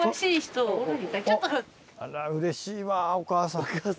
あらうれしいわお母さん。